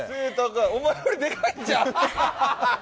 お前よりデカいんちゃう？